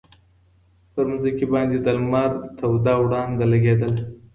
پر مځکي باندي د لمر توده وړانګه لګېده.